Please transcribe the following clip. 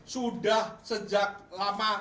sudah sejak lama